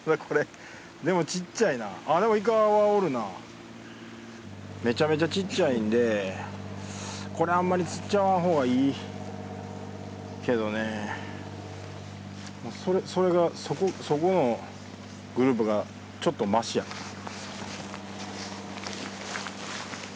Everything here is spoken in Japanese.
これでも小っちゃいなあっでもイカはおるなめちゃめちゃ小っちゃいんでこれあんまり釣っちゃわんほうがいいけどねそれがそこのグループがちょっとマシやね